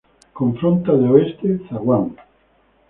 Confronta de Oeste, zaguán.